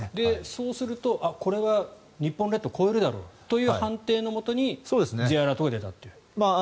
そうするとこれは日本列島越えるだろうという判定のもとにＪアラートが出たという。